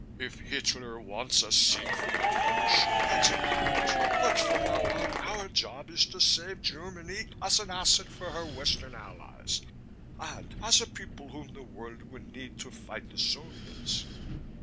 If Hitler wants a Siegfried finish, let him have it, but from now on our job is to save Germany as an asset for her Western Allies and as a people whom the world will need to fight the Soviets.